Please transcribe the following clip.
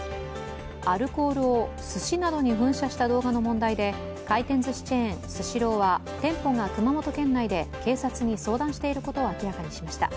アルコールをすしなどに噴射した動画の問題で回転ずしチェーンスシローは店舗が熊本県内で警察に相談していることを明らかにしました。